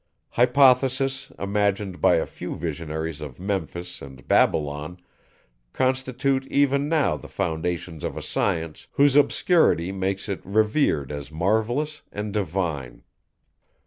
Hypothesis, imagined by a few visionaries of Memphis and Babylon, constitute even now the foundations of a science, whose obscurity makes it revered as marvellous and divine.